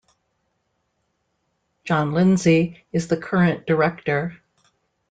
Jon Lindsay is the current Director.